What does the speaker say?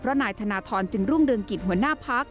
นายธนทรจึงรุ่งเรืองกิจหัวหน้าพัก